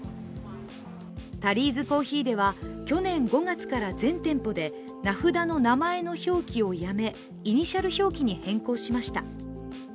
タリーズコーヒーでは去年５月から全店舗で名札の名前の表記をやめイニシャル表記に変更しました。